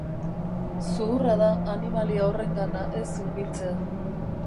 Zuhurra da animalia horrengana ez hurbiltzea.